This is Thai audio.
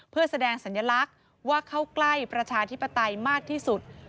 เพื่อแสดงสัญลักษณ์ว่าเข้าใกล้ประชาธิปไตยมากที่สุด